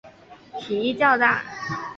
蹄较大。